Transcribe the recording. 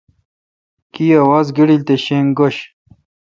کی آواز گیلڈ تے شینگ گوش۔